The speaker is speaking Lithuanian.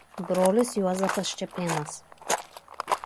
Brolis Juozapas Čepėnas.